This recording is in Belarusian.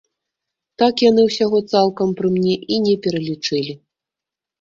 Так яны ўсяго цалкам пры мне і не пералічылі.